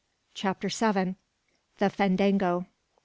CHAPTER SEVEN. THE FANDANGO.